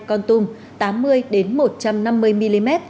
con tum tám mươi một trăm năm mươi mm